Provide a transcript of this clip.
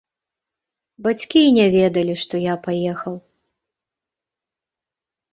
Бацькі і не ведалі, што я паехаў.